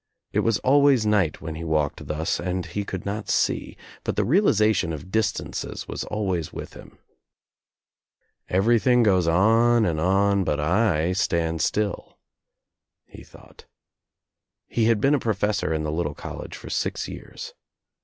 It was always night when he walked thus and he could not see, but the realization of distances was always with him. "Everything goes on and on but I stand still," he thought. He had been a professor in the little college for six years.